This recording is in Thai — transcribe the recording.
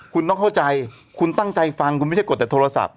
คุณต้องเข้าใจคุณตั้งใจฟังคุณไม่ใช่กดแต่โทรศัพท์